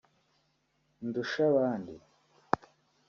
Ndushabandi